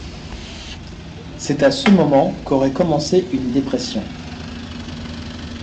C'est à ce moment qu'aurait commencé une dépression.